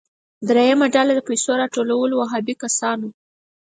دریمه ډله د پیسو راټولولو وهابي کسان وو.